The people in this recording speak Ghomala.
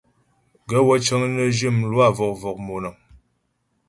Gaə̂ wə́ cəŋ nə zhyə mlwâ vɔ̀k-vɔ̀k monaə́ŋ.